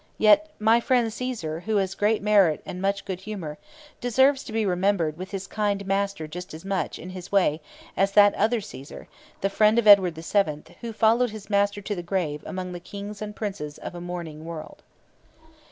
Yet 'my friend Caesar, who has great merit and much good humour,' deserves to be remembered with his kind master just as much, in his way, as that other Caesar, the friend of Edward VII, who followed his master to the grave among the kings and princes of a mourning world.